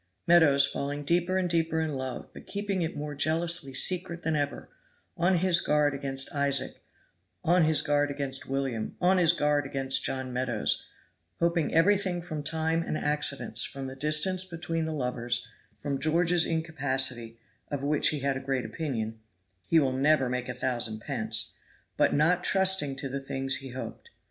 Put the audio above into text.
Meadows falling deeper and deeper in love, but keeping it more jealously secret than ever; on his guard against Isaac, on his guard against William, on his guard against John Meadows; hoping everything from time and accidents, from the distance between the lovers, from George's incapacity, of which he had a great opinion "He will never make a thousand pence" but not trusting to the things he hoped.